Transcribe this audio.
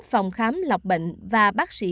phòng khám lọc bệnh và bác sĩ